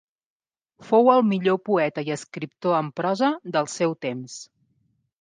Fou el millor poeta i escriptor en prosa del seu temps.